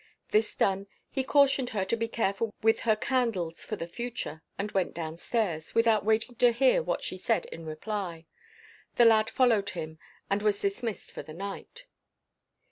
This done, he cautioned her to be careful with her candles for the future and went down stairs, without waiting to hear what she said in reply. The lad followed him, and was dismissed for the night.